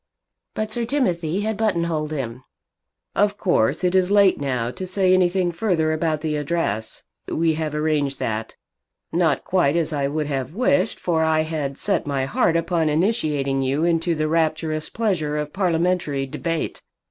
But Sir Timothy had buttonholed him. "Of course it is late now to say anything further about the address. We have arranged that. Not quite as I would have wished, for I had set my heart upon initiating you into the rapturous pleasure of parliamentary debate.